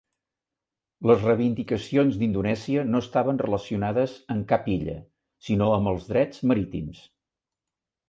Les reivindicacions d'Indonèsia no estaven relacionades amb cap illa, sinó amb els drets marítims.